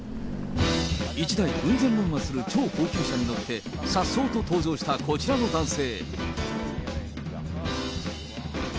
１台うん千万はする超高級車に乗って、さっそうと登場したこちらの男性。